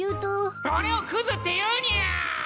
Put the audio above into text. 俺をくずって言うにゃあ！